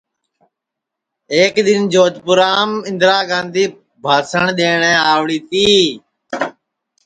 ایک دِؔن جودپُورام اِندرا گاندھی بھاسٹؔ دؔیٹؔیں آؤڑی تی